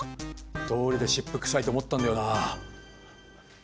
どうりで湿布臭いと思ったんだよな。